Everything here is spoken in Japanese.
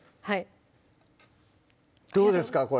はいどうですか